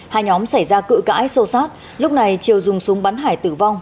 hai nhóm xảy ra cự cãi sâu sát lúc này triều dùng súng bắn hải tử vong